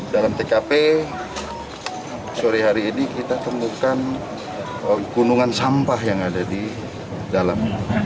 dalam tkp sore hari ini kita temukan gunungan sampah yang ada di dalam